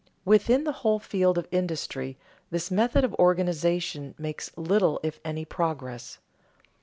Within the whole field of industry, this method of organization makes little if any progress.